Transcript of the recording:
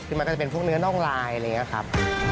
คือมันก็จะเป็นพวกเนื้อน่องลายอะไรอย่างนี้ครับ